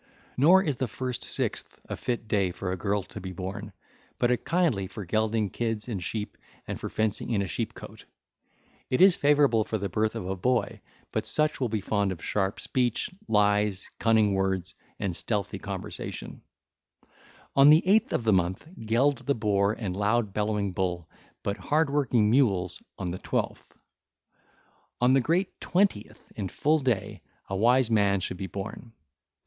Nor is the first sixth a fit day for a girl to be born, but a kindly for gelding kids and sheep and for fencing in a sheep cote. It is favourable for the birth of a boy, but such will be fond of sharp speech, lies, and cunning words, and stealthy converse. (ll. 790 791) On the eighth of the month geld the boar and loud bellowing bull, but hard working mules on the twelfth. (ll. 792 799) On the great twentieth, in full day, a wise man should be born.